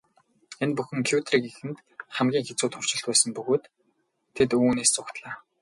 Энэ бүхэн Кюрегийнхэнд хамгийн хэцүү туршилт байсан бөгөөд тэд үүнээс зугтлаа.